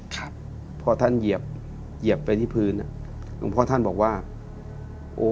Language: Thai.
ครับพอท่านเหยียบเหยียบไปที่พื้นอ่ะหลวงพ่อท่านบอกว่าโอ้